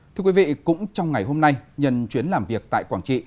thưa quý vị cũng trong ngày hôm nay nhân chuyến làm việc tại quảng trị